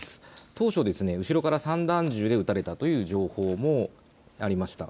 当初、後ろから散弾銃で撃たれたという情報もありました。